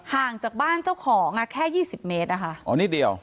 ห่างจากบ้านเจ้าของอ่ะแค่ยี่สิบเมตรนะคะอ๋อนิดเดียว